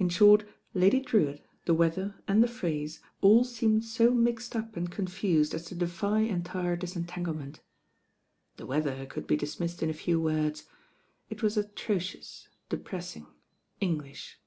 In short, Lady Drewitt, the weather and the phrase all seemed so mixed up and confused as to defy en tire disentanglement The weather could be dismissed in a few words. It was atrocious, depressing, English.